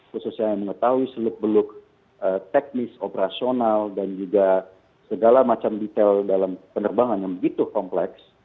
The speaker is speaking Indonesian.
khususnya yang mengetahui seluk beluk teknis operasional dan juga segala macam detail dalam penerbangan yang begitu kompleks